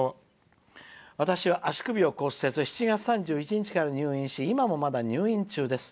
私は、足首を骨折７月３１日から入院し、今もまだ入院中です。